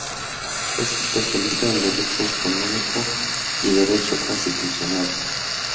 Es especialista en derecho autonómico y derecho constitucional.